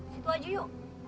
situ aja yuk